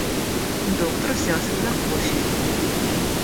Доктор взялся за кофей.